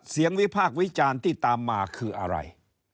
เสียงวิภาควิจารณ์ที่ตามมาคืออะไร